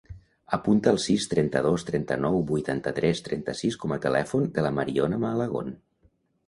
Apunta el sis, trenta-dos, trenta-nou, vuitanta-tres, trenta-sis com a telèfon de la Mariona Malagon.